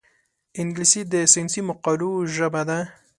انګلیسي د ساینسي مقالو ژبه ده